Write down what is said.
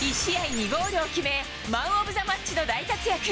２ゴールを決め、マンオブザマッチの大活躍。